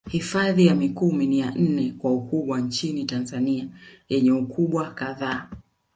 Hifadhi ya Mikumi ni ya nne kwa ukubwa nchini Tanzania yenye ukubwa kadhaa